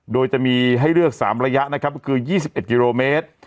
โดยจะมีให้เลือก๓ระยะคือ๒๑กิโลเมตร